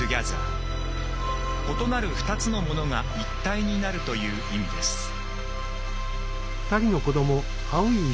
異なる２つのものが一体になるという意味です。